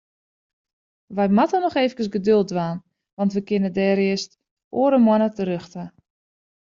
Wy moatte noch eefkes geduld dwaan, want we kinne dêr earst oare moanne terjochte.